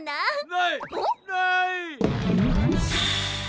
・ないない！